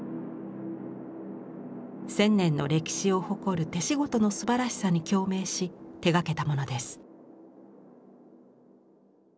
１，０００年の歴史を誇る手仕事のすばらしさに共鳴し手がけたものです。